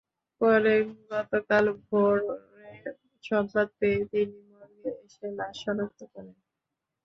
পরে গতকাল ভোরে সংবাদ পেয়ে তিনি মর্গে এসে লাশ শনাক্ত করেন।